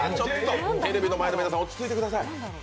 テレビの前の皆さん落ち着いてください。